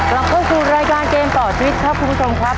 กลับเข้าสู่รายการเกมต่อชีวิตครับคุณผู้ชมครับ